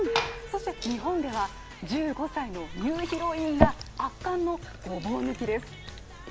日本では１５歳のニューヒロインが圧巻のごぼう抜きです。